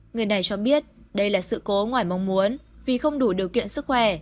người này cho biết đây là sự cố ngoài mong muốn vì không đủ điều kiện sức khỏe